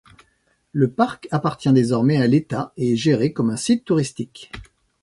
Le parc appartient désormais à l’État et est géré comme un site touristique.